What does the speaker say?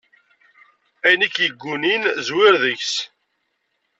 Ayen i k-iggunin, zwir deg-s!